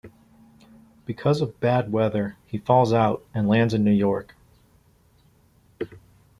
Because of bad weather, he falls out and lands in New York.